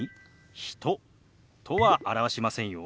「人」とは表しませんよ。